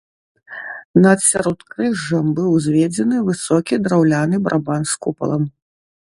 Над сяродкрыжжам быў узведзены высокі драўляны барабан з купалам.